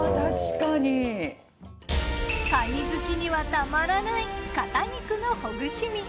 かに好きにはたまらない肩肉のほぐし身。